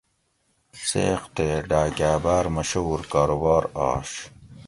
څیق تے ڈاۤکاۤ باۤر مشھور کاروبار آش